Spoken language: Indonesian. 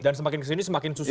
dan semakin kesini semakin susah